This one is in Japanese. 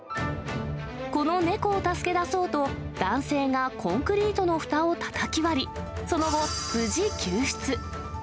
この猫を助け出そうと、男性がコンクリートのふたをたたき割り、その後、無事救出。